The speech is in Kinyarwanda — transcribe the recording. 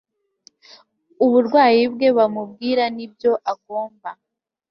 uburwayi bwe bamubwira n ibyo agomba